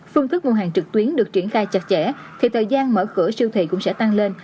phương thức mua hàng trực tuyến được triển khai chặt chẽ thì thời gian mở cửa siêu thị cũng sẽ tăng lên